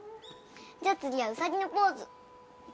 じゃあ次はウサギのポーズ。